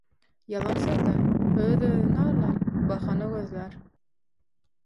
ýalan sözlär, öz özüni aldar, bahana gözlär.